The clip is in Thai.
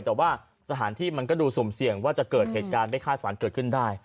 แต่ว่าสถานที่มันก็ดูสุ่มเสี่ยงว่าจะเกิดเหตุการณ์ไม่คาดฝันเกิดขึ้นได้